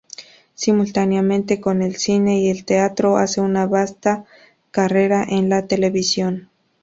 Simultáneamente con el cine y el teatro hace una vasta carrera en la televisión.